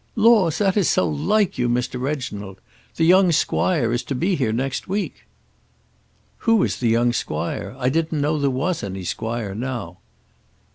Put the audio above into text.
"Laws, that is so like you, Mr. Reginald. The young squire is to be here next week." "Who is the young squire? I didn't know there was any squire now."